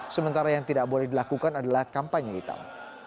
sementara yang tidak boleh dilakukan adalah kampanye hitam